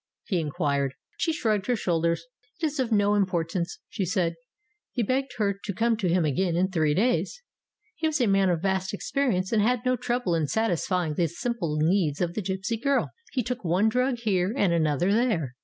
he inquired. She shrugged her shoulders. "It is of no impor tance," she said. He begged her to come to him again in three days. He was a man of vast experience and had no trouble THE WRONG ELIXIR 323 in satisfying the simple needs of the gipsy girl. He took one drug here and another there.